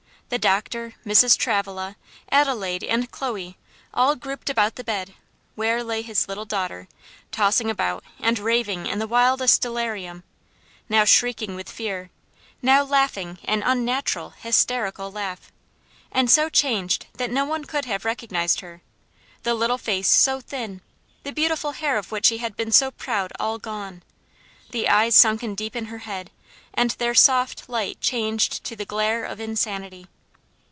The doctor, Mrs. Travilla, Adelaide, and Chloe, all grouped about the bed, where lay his little daughter, tossing about and raving in the wildest delirium; now shrieking with fear, now laughing an unnatural, hysterical laugh, and so changed that no one could have recognized her; the little face so thin, the beautiful hair of which he had been so proud all gone, the eyes sunken deep in her head, and their soft light changed to the glare of insanity.